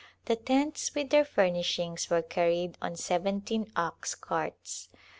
The tents with their furnishings were carried on seventeen ox carts.